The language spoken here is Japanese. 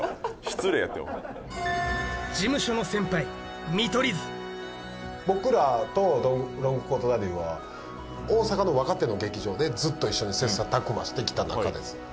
失礼やてお前僕らとロングコートダディは大阪の若手の劇場でずっと一緒に切磋琢磨してきた仲です